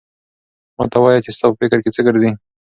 ما ته وایه چې ستا په فکر کې څه ګرځي؟